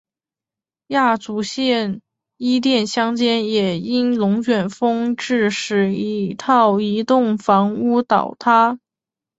亚祖县伊甸乡间也因龙卷风致使一套移动房屋倒塌。